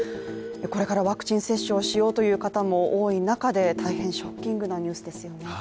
これからワクチン接種をしようという方も多い中で大変ショッキングなニュースですよね。